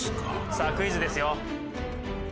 さあクイズですよ